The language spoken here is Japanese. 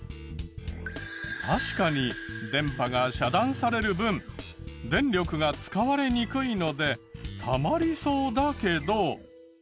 確かに電波が遮断される分電力が使われにくいのでたまりそうだけど。